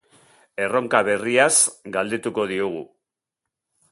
Erronka berriaz galdetuko diogu.